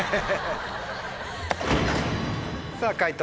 さぁ解答